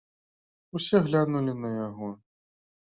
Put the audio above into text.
Усе глянулі на яго.